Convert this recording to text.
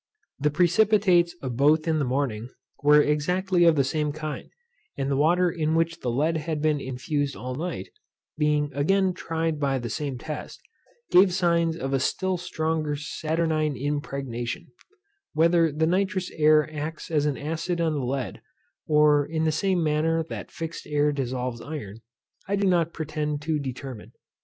The precipitates of both in the morning, were exactly of the same kind; and the water in which the lead had been infused all night, being again tried by the same test, gave signs of a still stronger saturnine impregnation Whether the nitrous air acts as an acid on the lead, or in the same manner that fixed air dissolves iron, I do not pretend to determine.